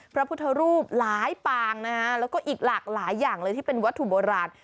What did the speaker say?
พระพุทธรูปหลายปางนะฮะแล้วก็อีกหลากหลายอย่างเลยที่เป็นวัตถุโบราณ